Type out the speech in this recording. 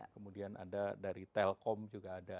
kemudian ada dari telkom juga ada